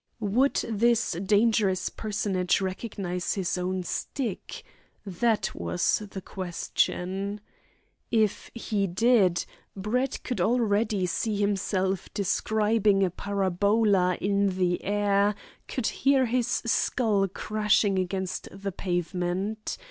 Would this dangerous personage recognise his own stick? that was the question. If he did, Brett could already see himself describing a parabola in the air, could hear his skull crashing against the pavement.